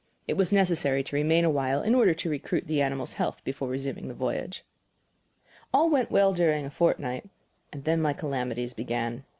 It was necessary to remain awhile in order to recruit the animal's health before resuming the voyage. All went well during a fortnight then my calamities began.